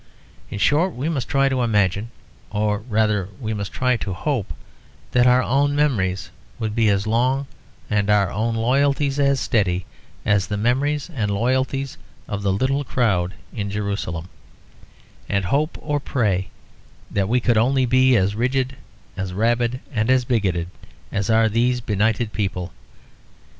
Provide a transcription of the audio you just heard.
In short we must try to imagine, or rather we must try to hope, that our own memories would be as long and our own loyalties as steady as the memories and loyalties of the little crowd in Jerusalem; and hope, or pray, that we could only be as rigid, as rabid and as bigoted as are these benighted people.